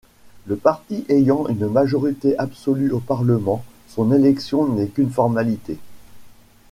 Le parti ayant une majorité absolue au Parlement, son élection n'est qu'une formalité.